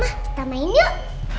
pak ma kita main yuk